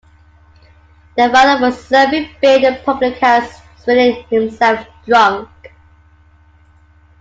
The father was serving beer in a public house, swilling himself drunk.